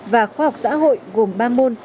và khoa học xã hội gồm ba môn